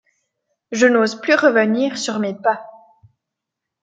Je n'ose plus revenir sur mes pas.